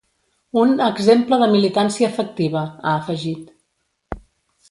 Un ‘exemple de militància efectiva’, ha afegit.